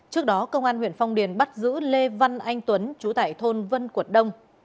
trước đó công an huyện phong điền bắt giữ lê văn anh tuấn chú tại thôn vân cuột đông